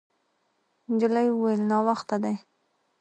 نجلۍ وویل: «ناوخته دی.»